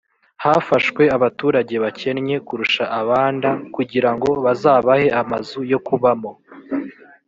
hafashwe abaturage bakennye kurusha abanda kugirango bazabahe amazu yo kubamo